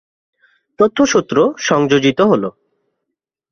তথ্য সূত্র সংযোজিত হল।